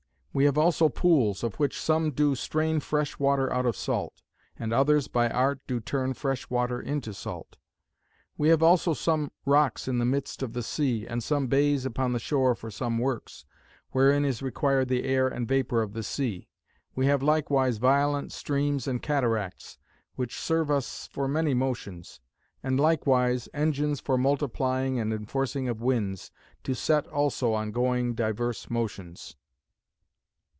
We have also pools, of which some do strain fresh water out of salt; and others by art do turn fresh water into salt. We have also some rocks in the midst of the sea, and some bays upon the shore for some works, wherein is required the air and vapor of the sea. We have likewise violent streams and cataracts, which serve us for many motions: and likewise engines for multiplying and enforcing of winds, to set also on going diverse motions.